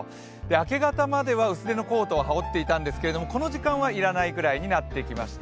明け方までは薄手のコートを羽織っていたんですけれども、この時間は要らないくらいになってきました。